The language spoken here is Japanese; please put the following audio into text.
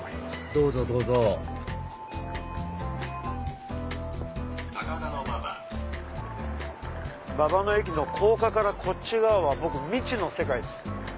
どうぞどうぞ高田馬場駅の高架からこっち側は僕未知の世界です。